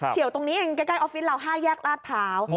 เชี่ยวตรงนี้เองใกล้ออฟฟิศเรา๕แยกลาดพร้าว